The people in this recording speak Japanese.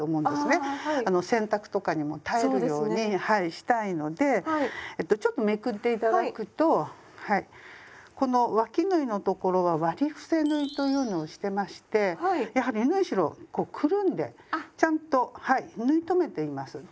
はいしたいのでちょっとめくって頂くとこのわき縫いの所は「割り伏せ縫い」というのをしてましてやはり縫い代をくるんでちゃんとはい縫い留めています。